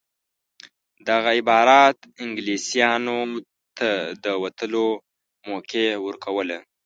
دغه عبارت انګلیسیانو ته د وتلو موقع ورکوله.